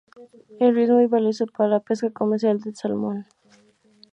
El río es muy valioso para la pesca comercial del salmón.